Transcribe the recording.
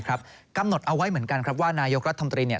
กำหนดเอาไว้เหมือนกันว่านายกรัฐมนตรี